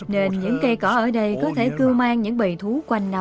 nên những cây cỏ ở đây có thể cưu mang những bệnh trị của chúng ta